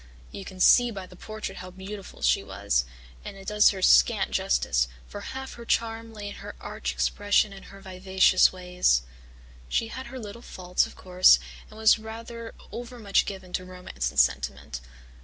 You can see by the portrait how beautiful she was, and it does her scant justice, for half her charm lay in her arch expression and her vivacious ways. She had her little faults, of course, and was rather over much given to romance and sentiment.